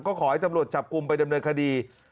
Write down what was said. ก็ขอให้ตำรวจจับกลุ่มไปดำเนินคดี